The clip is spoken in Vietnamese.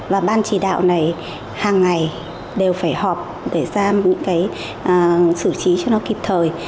và ban chỉ đạo này hàng ngày đều phải họp để ra những cái xử trí cho nó kịp thời